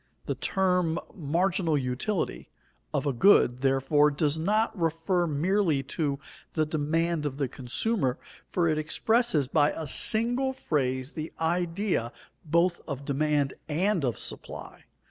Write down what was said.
The term "marginal utility" of a good, therefore, does not refer merely to the demand of the consumer; for it expresses by a single phrase the idea both of demand and of supply.